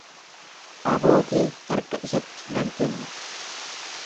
Aboo kee harka isatti nan kenna.